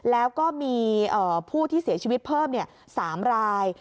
แล้วก็มีผู้ที่เสียชีวิตเพิ่ม๓ราย